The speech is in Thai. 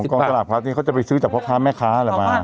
ด้วยของกองสลักพลัสนี้เขาจะไปซื้อจากพ่อค้าแม่ค้าอะไรมา